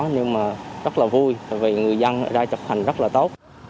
nhưng mà rất là vui vì người dân đã chấp hành rất là tốt